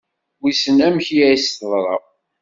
Wissen amek i as-teḍra?